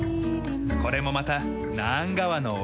これもまたナーン川の贈り物。